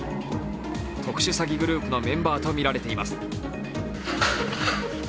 特殊詐欺グループのメンバーとみられています。